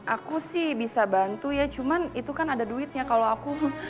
aku sih bisa bantu ya cuman itu kan ada duitnya kalau aku